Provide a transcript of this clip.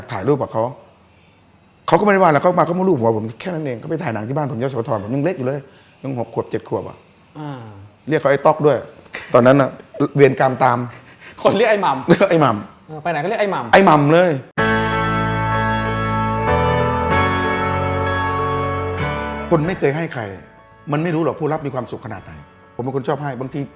ใช่ไหมหรือว่าเป็นจิตวิญญาณหรือเป็นจริง